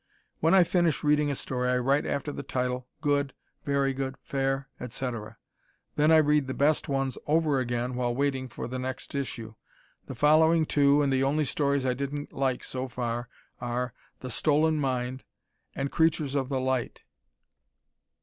When I finish reading a story I write after the title, "good," "very good," "fair," etc. Then I read the best ones over again while waiting for the next issue. The following two and the only stories I didn't like so far are: "The Stolen Mind" and "Creatures of the Light."